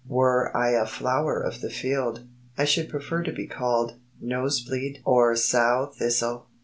Were I a flower of the field, I should prefer to be called "nose bleed" or "sow thistle."